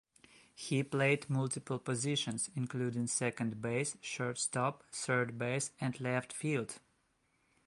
He played multiple positions, including second base, shortstop, third base, and left field.